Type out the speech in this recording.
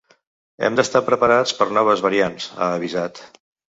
“Hem d’estar preparats per noves variants”, ha avisat.